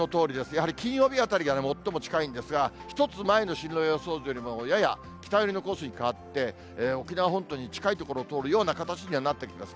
やはり金曜日あたりが、最も近いんですが、１つ前の進路予想図よりもやや北寄りのコースに変わって、沖縄本島に近い所を通るような形にはなってきます。